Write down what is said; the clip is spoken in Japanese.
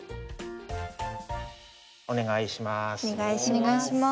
お願いします。